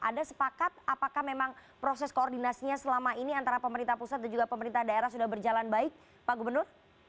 anda sepakat apakah memang proses koordinasinya selama ini antara pemerintah pusat dan juga pemerintah daerah sudah berjalan baik pak gubernur